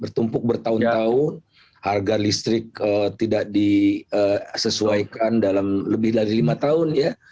bertumpuk bertahun tahun harga listrik tidak disesuaikan dalam lebih dari lima tahun ya